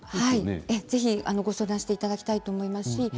ぜひご相談していただきたいと思います。